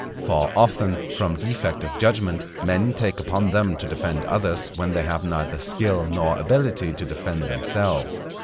For often, from defect of judgment, men take upon them to defend others, when they have neither skill nor ability to defend themselves.